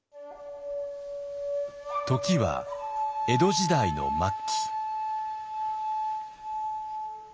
時は江戸時代の末期。